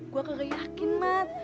gua kagak yakin mat